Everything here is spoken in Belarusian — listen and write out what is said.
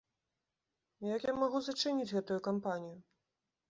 Як я магу зачыніць гэтую кампанію?